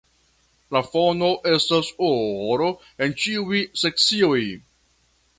La fono estas oro en ĉiuj sekcioj.